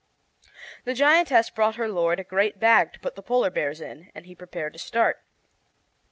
The giantess brought her lord a great bag to put the polar bears in, and he prepared to start.